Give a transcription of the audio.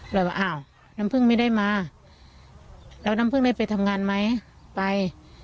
ว่าอ้าวน้ำพึ่งไม่ได้มาแล้วน้ำผึ้งได้ไปทำงานไหมไป